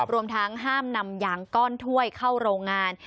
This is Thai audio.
รวมทั้งห้ามนำยางก้อนถ้วยเข้าโรงงาน